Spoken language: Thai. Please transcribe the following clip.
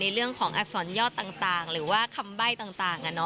เรื่องของอักษรยอดต่างหรือว่าคำใบ้ต่าง